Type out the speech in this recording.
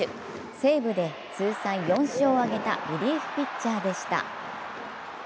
西武で通算４勝を挙げたリリーフピッチャーでした。